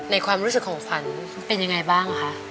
ความรู้สึกของขวัญเป็นยังไงบ้างคะ